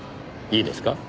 いいですか？